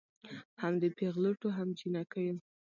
هم د پېغلوټو هم جینکیو